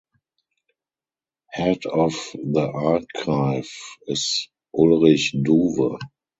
Head of the archive is Ulrich Duve.